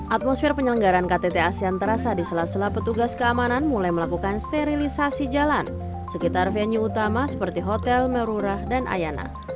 atmosfer penyelenggaran ktt asean terasa di sela sela petugas keamanan mulai melakukan sterilisasi jalan sekitar venue utama seperti hotel merurah dan ayana